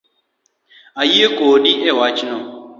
Ayie kodi ewachno